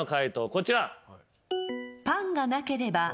こちら。